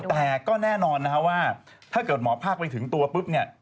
แต่ก็แน่นอนว่าถ้าเกิดหมอพากไปถึงตัวปุ๊บ